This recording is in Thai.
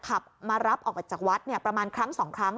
ขับมารับออกไปจากวัดประมาณครั้ง๒ครั้ง